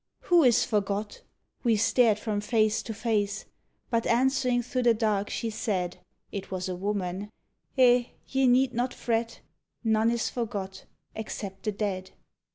"Who is forgot?" We stared from face to face; But answering through the dark, she said (It was a woman): "Eh, ye need not fret; None is forgot except the dead.